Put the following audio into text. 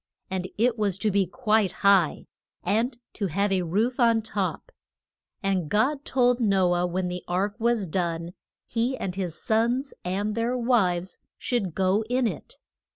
And it was to be quite high, and to have a roof on top. And God told No ah when the ark was done he and his sons and their wives should go in it.